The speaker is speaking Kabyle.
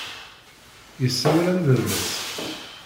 Yessawal am baba-s.